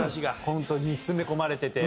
本当に詰め込まれてて。